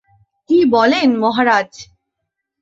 কী বলেন মহারাজ?